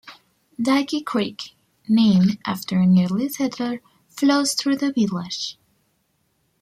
Dyke Creek, named after an early settler, flows through the village.